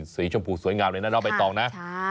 สีชมพูสวยงามเลยนะน้องใบตองนะ